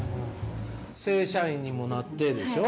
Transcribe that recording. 正社員にもなってでしょ？